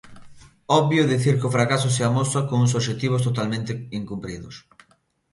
Obvio dicir que o fracaso se amosa cuns obxectivos totalmente incumpridos.